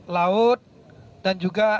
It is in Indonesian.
laut dan juga